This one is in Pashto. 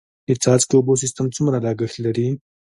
د څاڅکي اوبو سیستم څومره لګښت لري؟